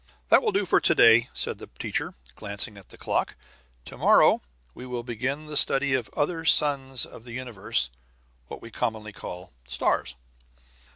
"That will do for to day," said the teacher, glancing at the clock. "Tomorrow we will begin the study of the other suns of the universe what we commonly call stars.